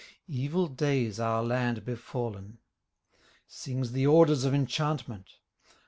Evil days our land befallen. Sings the orders of enchantment.